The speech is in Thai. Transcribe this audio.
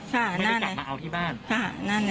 ไม่ได้กลับมาเอาที่บ้าน